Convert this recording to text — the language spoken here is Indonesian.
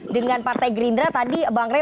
dengan partai gerindra tadi bang rey